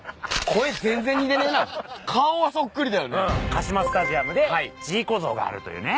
カシマスタジアムでジーコ像があるというね。